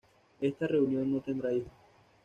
Esta unión no tendría hijos.